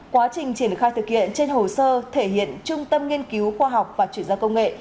quá trình triển khai thực hiện trên hồ sơ thể hiện trung tâm nghiên cứu khoa học và chuyển gia công nghệ